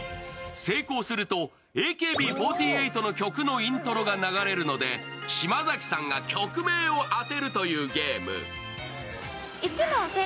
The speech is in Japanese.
成功するとＡＫＢ４８の曲のイントロが流れるので、島崎さんが曲名を当てるというゲーム。